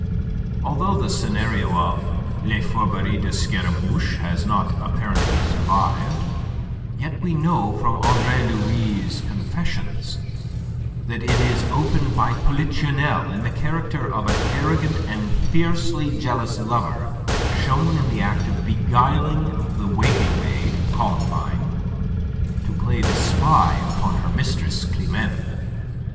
Although the scenario of "Lee Fourberies de Scaramouche" has not apparently survived, yet we know from Andre Louis' "Confessions" that it is opened by Polichinelle in the character of an arrogant and fiercely jealous lover shown in the act of beguiling the waiting maid, Columbine, to play the spy upon her mistress, Climene.